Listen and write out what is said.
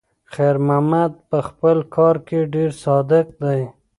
خیر محمد په خپل کار کې ډېر صادق دی.